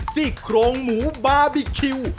ซี่โครงหมูบาร์บีคิว